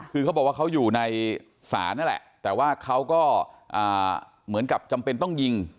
คือเขาบอกว่าเขาอยู่ในศาลนั่นแหละแต่ว่าเขาก็เหมือนกับจำเป็นต้องยิง